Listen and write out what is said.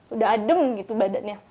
udah adem gitu badannya